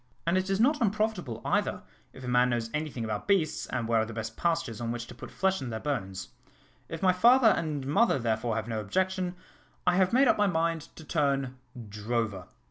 And it is not unprofitable either, if a man knows any thing about beasts, and where are the best pastures on which to put flesh on their bones. If my father and mother, therefore, have no objection, I have made up my mind to turn drover."